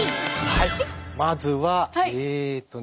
はいまずはえっとね。